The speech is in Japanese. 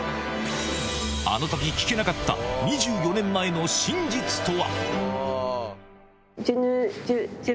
あのとき聞けなかった２４年前の真実とは。